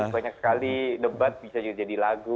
banyak sekali debat bisa jadi lagu